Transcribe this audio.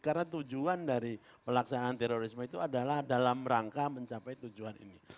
karena tujuan dari pelaksanaan terorisme itu adalah dalam rangka mencapai tujuan ini